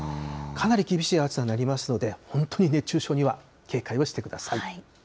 かなり厳しい暑さになりますので、本当に熱中症には警戒をしてください。